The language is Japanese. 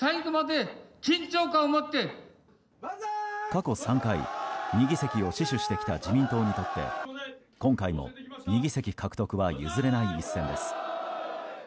過去３回２議席を死守してきた自民党にとって今回も２議席獲得は譲れない一線です。